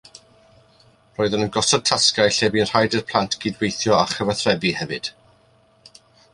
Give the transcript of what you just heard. Roeddwn yn gosod tasgau lle bu rhaid i'r plant gydweithio a chyfathrebu hefyd